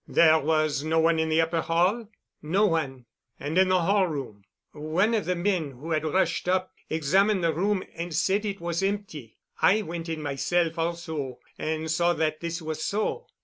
"There was no one in the upper hall?" "No one." "And in the hall room?" "One of the men who had rushed up examined the room and said it was empty. I went in myself also and saw that this was so."